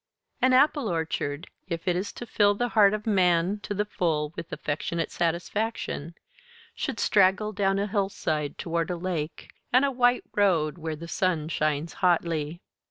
An apple orchard, if it is to fill the heart of man to the full with affectionate satisfaction, should straggle down a hillside toward a lake and a white road where the sun shines hotly.